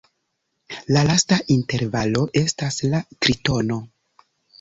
La lasta intervalo estas la tritono.